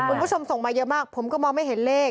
คุณผู้ชมส่งมาเยอะมากผมก็มองไม่เห็นเลข